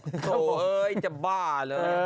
โธ่เอ๊ยจะบ้าเลย